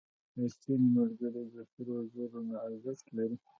• رښتینی ملګری د سرو زرو نه ارزښت لري.